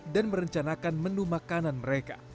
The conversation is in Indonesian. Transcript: dan merencanakan menu makanan mereka